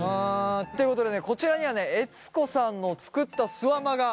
ということでねこちらにはね悦子さんの作ったすわまが。